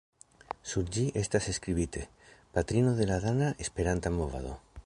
Sur ĝi estas skribite: "Patrino de la dana Esperanta movado".